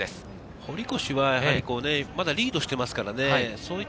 堀越はまだリードしていますからね。